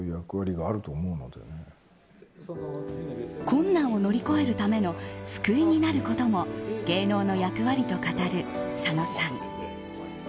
困難を乗り越えるための救いになることも芸能の役割と語る佐野さん。